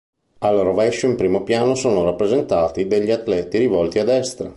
Al rovescio in primo piano sono rappresentati degli atleti rivolti a destra.